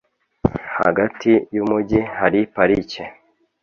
Hagati yumujyi hari parike.